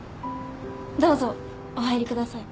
どうぞお入りください。